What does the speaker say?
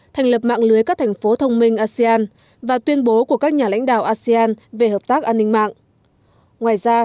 thành lập mạng lưới các thành phố thông minh asean và tuyên bố của các nhà lãnh đạo asean về hợp tác an ninh mạng